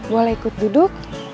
boleh ikut duduk